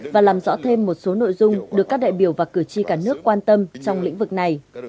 và làm rõ thêm một số nội dung được các đại biểu và cử tri cả nước quan tâm trong lĩnh vực này